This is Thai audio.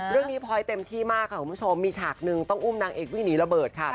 เรื่องนี้พลอยเต็มที่มากครับคุณผู้ชมมีฉากนึงต้องอุ้มนางเอ็กซ์วินีระเบิดค่ะ